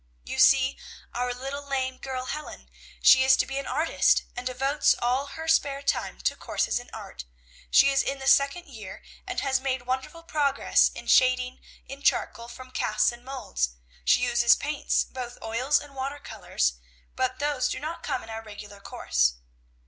"You see our little lame girl Helen! She is to be an artist, and devotes all her spare time to courses in art. She is in the second year, and has made wonderful progress in shading in charcoal from casts and models. She uses paints, both oils and watercolors, but those do not come in our regular course.